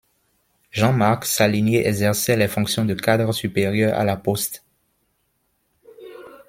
Jean-Marc Salinier exerçait les fonctions de cadre supérieur à La Poste.